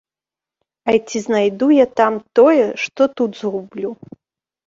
А ці знайду я там тое, што тут згублю?